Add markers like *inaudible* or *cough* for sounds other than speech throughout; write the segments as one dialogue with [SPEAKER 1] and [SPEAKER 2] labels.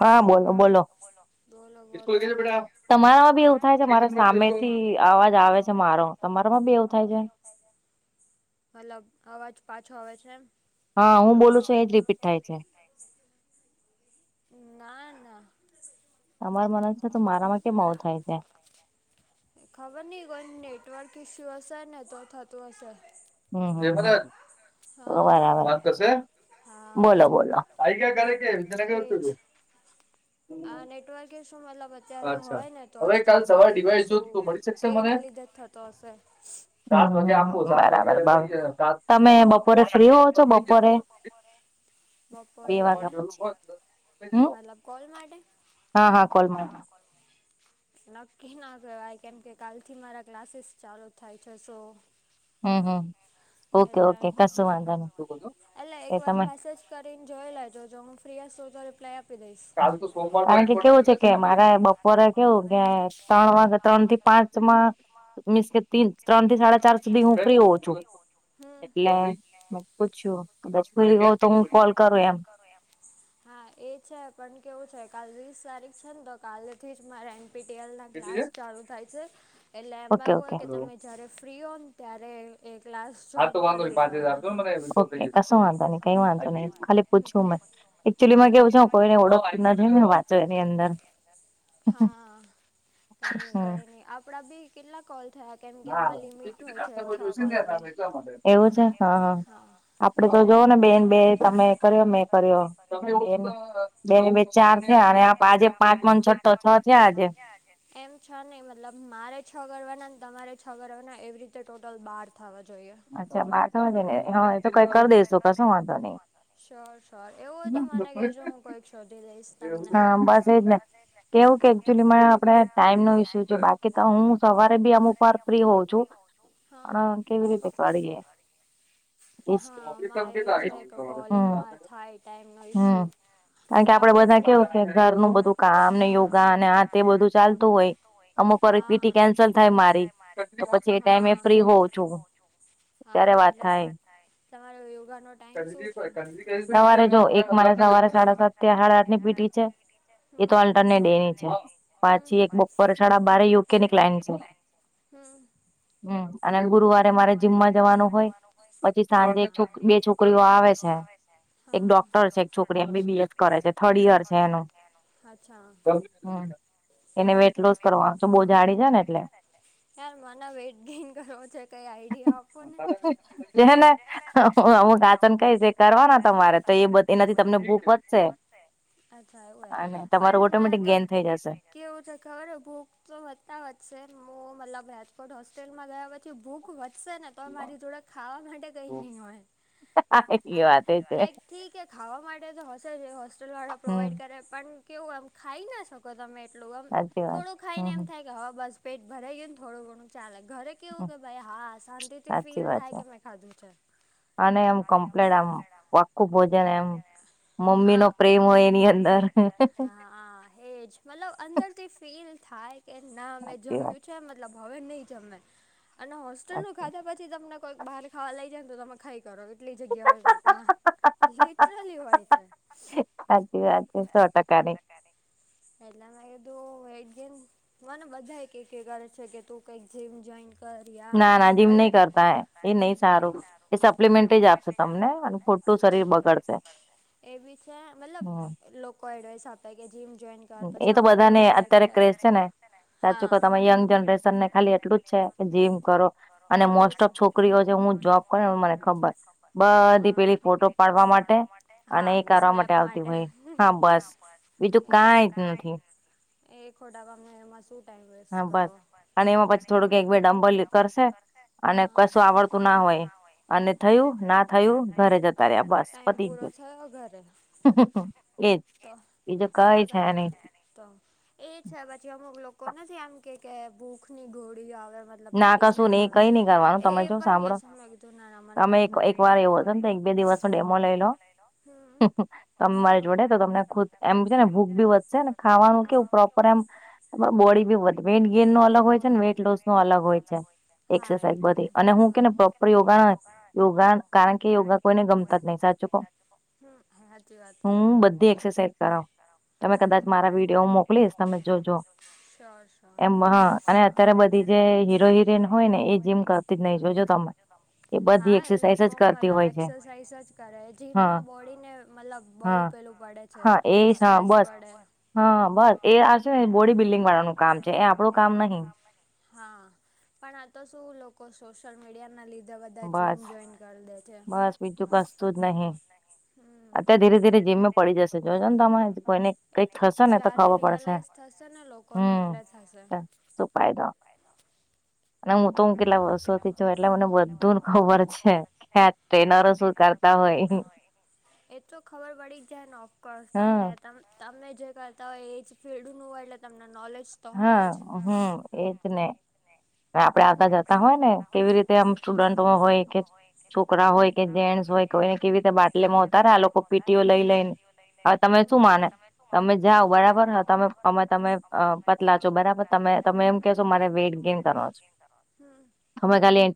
[SPEAKER 1] હા બોલો બોલો તમારામાં બી એવું થાય છે મારા સામેથી અવાજ આવે છે મારો તમારા માં બી એવું થાય છે
[SPEAKER 2] મતલબ અવાજ પાછો આવે છે એમ?
[SPEAKER 1] હા હું બોલું છું એજ રીપીટ થાય છે
[SPEAKER 2] ના ના
[SPEAKER 1] તમારે મળે છે તો મારામાં કેમ આવું થાય છે?
[SPEAKER 2] ખબર નહિ કોયને નેટવર્ક ઈસ્યુ હશે ને તો થતું હશે.
[SPEAKER 1] હમ બરાબર બોલો બોલો આઈ ગયા ઘરે કે *unintelligible*
[SPEAKER 2] આ નેટવર્ક ઈશ્યુ મતલબ જ અત્યારે હોય ને તો જ થાય બાકી કશું એ એના લીધે જ થતો હશે. તમે બપોરે ફ્રીઓ છો *unintelligible* બપોર એટલે? મતલબ કોલ માટે? હા હા કોલ માટે. નક્કી ના કહેવાય, કેમ કે કાલથી મારા ક્લાસીસ ચાલુ થાય છે સો! એટલે એટલે એક વાર મેસેજ- કરીને જોઈ લેજો, જો હું ફ્રી હશું તો રિપ્લાય આપી દઈશ.
[SPEAKER 1] કારણ કે કેવું છે, કે મારે બપોરે કેવું કે, ત્રણ વાગે ત્રણ થી પાંચ માં - મીંસ કે, ત્રણ થી સાડા ચાર સુધી હું ફ્રી હોઉં છું. એટલે મે પૂછ્યું. કદાચ ફ્રિ હોય તો હું કોલ કરું એમ.
[SPEAKER 2] હા એ છે, પણ કેવું છે કાલ વીસ તારીખ છે ને તો કાલે થી જ મારે- - પીટીએલના ક્લાસ ચાલુ થાય છે. એટલે એમાં એવું હોય કે તમે જ્યારે ફ્રી હોય ન - -ત્યારે એ ક્લાસ જોઈન કરી લેવાના. અ્છા કેવ કો *unintelligible* *inaudible* હા કાંઈ નહિ, કાંઈ નહિ આપડા બી કેટલા કોલ થયા કેમ કે આમાં લિમિટ- - હોય છે છ કોલની એવું છે? એટલે - તમે કર્યો, મેં કર્યો. બે ને બે ચાર થયા. અને આ આજે પાંચ મો ને છઠ્ઠો. *unintelligible* છે આજે એમ છ નહી, મતલબ મારે છ કરવાના ને તમારે છ કરવાના એવી રીતે ટોટલ બાર - - થાવા જોઈએ.
[SPEAKER 1] અચ્છા માથ વ ને હ એ તો કઈક કરી દેસુ, કશો વાંધો નઈ.
[SPEAKER 2] સ્યોર સ્યોર, એવું હોય તો મને કેજો, હું કોઈક શોધી દઈશ તમને-
[SPEAKER 1] કેવું કે એકચુલી મા આપણે ટાઈમ નો ઇસ્યુ છે. બાકી તો હું સવારે બી આમ ઉપર ફ્રી હોઉ છું. પણ કેવી રીતે કરીએે. સ *unintelligible* *inaudible* કારણ કે આપડે બધા કેવું કે, ઘરનું બધું કામ ને યોગા ને આ તે બધું ચાલતું હોય. અમુક- પીટી કેન્સલ થાય મારી તો પછી એ ટાઈમે ફ્રી હોઉ છું.
[SPEAKER 2] હા એ જસ્ટ તમારે યોગા નો *inaudible*
[SPEAKER 1] *inaudible* સવારે જો એક મારે સવારે સાડા સાત થી સાડા આઠની પીટી છે.
[SPEAKER 2] એ તો અલ્ટરનેટ એવીછી પછી એક બપોરે સાડા બારે યુકે ની ક્લાય- હમ
[SPEAKER 1] હમ, અને ગુરુવારે મારે જીમમાં જવાનું હોય, પછી સાંજે એક છોકરી બે છોકરી-
[SPEAKER 2] બે છોકરીઓ આવે છે. એક ડોક્ટર છે એક છોકરી એમબીબીએસ કરે છે. થર્ડ યર છે એનું. અચ્છા.
[SPEAKER 1] *unintelligible*
[SPEAKER 2] મ *unintelligible* *inaudible* ગેઇન કરવો છે કાંઈ આઈડિયા આપો ને આસન કઈ તે કરવાના તમારે, તો એનાથી તમને ભૂખ વધશે અચ્છા એવું છે. પણ મારે તો- - કેવું છે ખબર છે ભૂખ તો વધતા વધશે હુ મતલબ રાજકોટ - હોસ્ટેલમાં ગયા પછી ભૂખ વધશે ને, તો મારી જોડે ખાવા માટે કંઈ નહી હોય. લાઈક ઠીક ખાવા માટે તો હશે જ. હોસ્ટેલ વાળા પ્રોવાઈડ કરે પણ- કેવું એમ ખાઈ ના શકો તમે એટલું, થોડું ખાઈને એમ થાય- હવે બસ પેટ ભરાઈ ગયુ ને થોડું ઘણું ચાલે. ઘરે- કેવું કે ભાઈ હા શાંતિથી ફીલ થાય કે મેં ખાધું છે.
[SPEAKER 1] અને એમ કમ્પ્લેટ આમ પાકું ભોજન એમ- મમ્મી નો પ્રેમ હોય એની અંદર.
[SPEAKER 2] આ એ જ, મતલબ અંદરથી ફીલ થાય કે ના મેં જમ્યું છે મતલબ હવે નહીં. જમે અને હોસ્ટેલનું ખાધા પછી તમને કોઈક બહાર ખાવા લઈ જાયને તો તમે ખાઈ કરો એટલી જગ્યા હોય પેટમાં લિટરલી હોય છે.
[SPEAKER 1] હાચી વાત છે સો ટકાની
[SPEAKER 2] *unintelligible* મને બધાએ કે કે કરે છે કે તું કંઈક જીમ જોઈન કરિયા. ના-ના જીમ નહી કરતા. એ નહી સારું એ સપ્લમેન્ટ જ આપે તમને. *unintelligible* એ બી છે મતલબ લોકો એડવાઈસ આ પહિ કે જીમ જોઈન કર પછી અમુક એવું કે કે અત્યારે ટ્રેન્ડ છે ને, હા. *unintelligible* તમે યંગ
[SPEAKER 1] તને ખાલી એટલું જ છે. જીમ કરો અને મોસ્ટ ઓફ છોકરીઓ જે, હું જોબ કરુંને મને ખબર
[SPEAKER 2] હમ્મ, બધી પેલી ફોટો પડવા માટે, હા સ્નેપ માટે, હા. એજ, બીજું કાંઈજ નથી. એ ખોટાકામે એમાં શું ટાઈમ વેસ્ટ કરવો.
[SPEAKER 1] અને એમાં પછી થોડું ક એક-બે ડમ્બલ કરશે અને કશું આવડતું ના હોય અને થયું, ના થયું, ઘરે જતા રહ્યા બસ. પતી ગયું. એજ
[SPEAKER 2] તો એના કરતા. તો એ છે પછી અમુક લોકો નથી આમ કે કે ભૂ ખની ગોળીઓ આવેે મ મતલબ મેડિસિન્સ આવે, એ એ પણ *unintelligible* મેં કીધુ ના ના, મને કઈ નથી કરવું. બે દિવસનો ડેમો લઈ લો. હમ્મ. અમારી જોડે તો તમને *unintelligible* એમ છે ને
[SPEAKER 1] વધશે ને. ખાવાનું કેવું પ્રોપર આમ, બોડી બી વધ વેટ ગેઈનનો અલગ હોય છે ને વેઈટ લોસ નો અલગ હોય છે. એક્સરસાઈઝ બધી અને હું કેને પ્રોપર યોગા *unintelligible* યોગા કારણ કે યોગા
[SPEAKER 2] એ યોગા કોઈને ગમતા જ નતા હાચુ કઉ, હમ્મ હાચી વાત. હું બધી એક્સરસાઇઝ કરાવું હમ્મ તમે કદાચ મારા વિડીયો મોકલીશ, તમે જોશો. શ્યોર શ્યોર..
[SPEAKER 1] અને અત્યારે બધી જે હીરો-હિરોઈન હોય ને એ જીમ કરતી જ નહી, જોજો તમે.
[SPEAKER 2] હા, એ લોકો મતલબ એક્સરસાઇઝ જ કરે. જીમમાં બોડીને મતલબ બહુ પેલું પડે છે, સ્ટ્રેસ પડે
[SPEAKER 1] હા, બસ એ આ છે ને બોડી બિલ્ડિંગ વાળાનું કામ છે. એ આપડું
[SPEAKER 2] એ આપણું કામ નહી. હા, પણ આ તો શું લોકો સોશિયલ મીડિયાના લી ધે બધા જીમ જોઈન કર દે છે. *unintelligible* જ નહી. હમ્મ. અત્યારે ધીરે-ધીરે જીમનું પડી જશે, જો-જોને તમે એ. એ તો, જ્યારે રિયાલાઈઝ થશેને લોકોને એટલે થશે.
[SPEAKER 1] શું ફાયદો. અને હું તો હું કેટલા વર્ષોથી છું એટલે મને બધું ખબર છે. *unintelligible* ટ્રેનરો શું કરતા હોય.
[SPEAKER 2] એ તો ખબર પડી જ જાયને, ઓફકોર્સ. તમને તમ તમે જે કરતા હોય એ જ ફિલ્ડનું હોય એટલે તમને નોલેજ
[SPEAKER 1] હા, હમ્મ, એ જ ને. હવે આપડે આવતા-જતા હોયને, કેવી રીતે આમ સ્ટુડન્ટો હોય કે છોકરા હોય કે જેન્ટસ હોય કોઈ
[SPEAKER 2] તોય કોઈને કેવી રીતે બાટલીમાં ઉતારા આ લોકો પીટીઓ લઈ લઈન અને તમે શું
[SPEAKER 1] તમે જાઓ બરાબર. *unintelligible* તમે આમાં તમે અ પતલા છો બરાબર, તમે-તમે એમ કેશો મારે વેઈટ ગેઈન કરવો છે.
[SPEAKER 2] હમ્મ.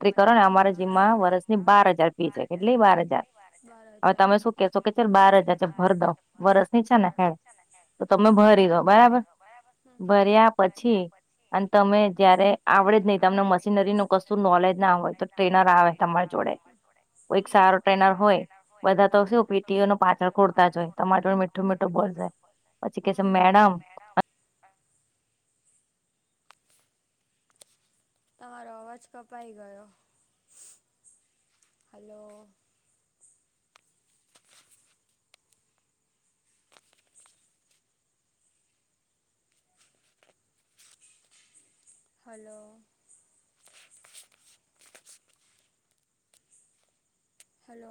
[SPEAKER 2] બધાને એન્ટ્રી કરો ને અમારા જીમમા, વર્ષની બાર હજાર ફી છે કેટલી બાર હજાર, બાર હજાર. હવે તમે શું કેહશો કે ચલ બાર હજાર છે ભરદઉં, હમ્મ વર્ષની જ છે ને એમ. હા, તમે ભરી દો બરાબર.
[SPEAKER 1] ભર્યા પછી અને તમે જયારે આવડે જ નહી.
[SPEAKER 2] આવડે જ નહિ. તમને મશીનરીનું કશું નોલેજ ના હોય, ટ્રેનર આવે તમાર જોડે. *unintelligible*
[SPEAKER 1] પછી કે સે મેડમ
[SPEAKER 2] તમારો અવાજ કપાઈ ગયો. ઉમ્સ હલો હલો હલો